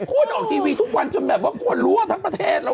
พูดออกทีวีทุกวันจนแบบว่าควรรัวทักประเทศเรา